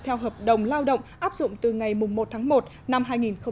theo hợp đồng lao động áp dụng từ ngày một tháng một năm hai nghìn hai mươi